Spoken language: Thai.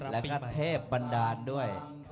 แล้วก็เทพบันดาลด้วย